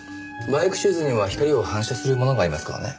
バイクシューズには光を反射するものがありますからね。